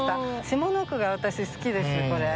下の句が私好きですこれ。